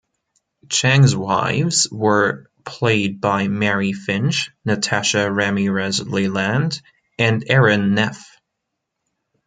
Chang's wives were played by Mary Finch, Natasha Ramirez Leland, and Erin Neff.